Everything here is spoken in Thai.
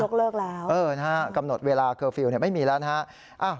เลิกแล้วนะฮะกำหนดเวลาเคอร์ฟิลล์ไม่มีแล้วนะฮะ